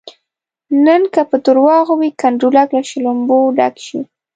نن که په درواغو وي کنډولک له شلومبو ډک شي.